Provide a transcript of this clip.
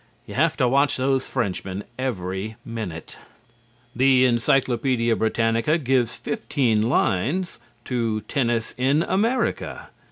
You have to watch these Frenchmen every minute. The Encyclopedia Britannica gives fifteen lines to "Tennis in America."